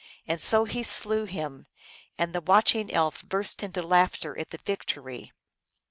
And so he slew him, and the watching elf burst into laughter at the victory.